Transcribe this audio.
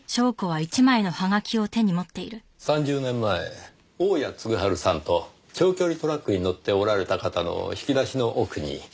３０年前大屋嗣治さんと長距離トラックに乗っておられた方の引き出しの奥に。